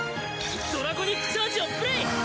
ドラゴニックチャージをプレイ！